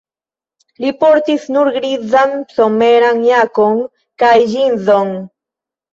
Li portis nur grizan someran jakon kaj ĝinzon.